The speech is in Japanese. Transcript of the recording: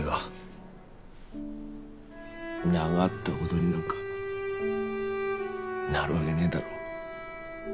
ながったごどになんかなるわげねえだろ。